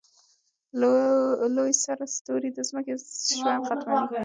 لوی سره ستوری د ځمکې ژوند ختموي.